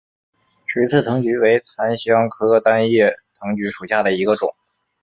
直刺藤橘为芸香科单叶藤橘属下的一个种。